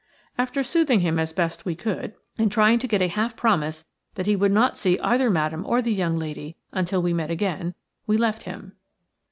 After soothing him as best we could, and trying to get a half promise that he would not see either Madame or the young lady until we met again, we left him.